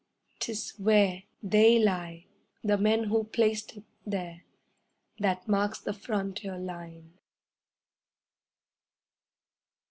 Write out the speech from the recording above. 'Tis where They lie—the men who placed it there, That marks the frontier line.